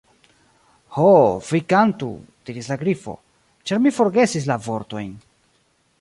"Ho, vi kantu," diris la Grifo, "ĉar mi forgesis la vortojn."